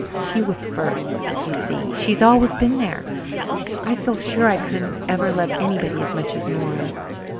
She was first, you see; she's always been there. I feel sure I couldn't ever love anybody as much as Nora."